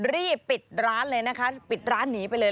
รีบปิดร้านเลยนะคะปิดร้านหนีไปเลย